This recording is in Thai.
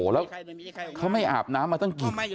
แล้วเขาไม่อาบน้ำมาตั้งกี่ปี